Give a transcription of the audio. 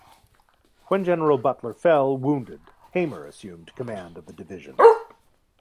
When General Butler fell wounded, Hamer assumed command of the division.